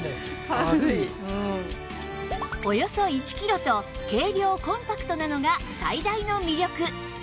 およそ１キロと軽量コンパクトなのが最大の魅力